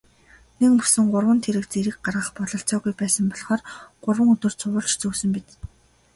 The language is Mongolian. Нэгмөсөн гурван тэрэг зэрэг гаргах бололцоогүй байсан болохоор гурван өдөр цувуулж зөөсөн биз.